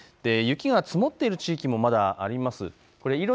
雪が積もっている地域もまだあります。